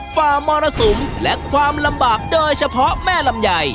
ฝ่ามรสุมและความลำบากโดยเฉพาะแม่ลำไย